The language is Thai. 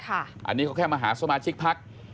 อันนี้เขาแค่มาหาสมาชิกพัก